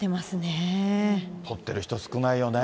取ってる人、少ないよね。